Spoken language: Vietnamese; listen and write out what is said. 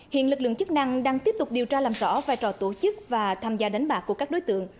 hiện lực lượng chức năng đang tiếp tục điều tra làm rõ vai trò tổ chức và tham gia đánh bạc của các đối tượng